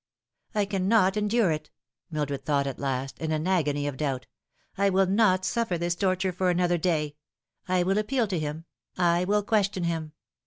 " I cannot ensure it," Mildred thought at last, in an agony of doubt. " I will not suffer this torture for another day. I will appeal to him. I will question him.